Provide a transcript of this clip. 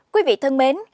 quý vị thân mến